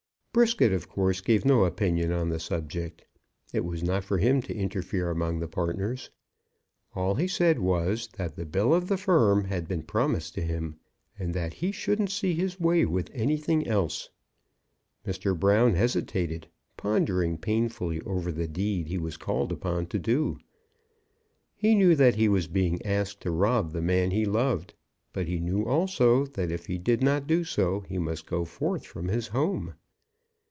Brisket, of course, gave no opinion on the subject. It was not for him to interfere among the partners. All he said was, that the bill of the firm had been promised to him, and that he shouldn't see his way with anything else. Mr. Brown hesitated, pondering painfully over the deed he was called upon to do. He knew that he was being asked to rob the man he loved; but he knew also, that if he did not do so, he must go forth from his home.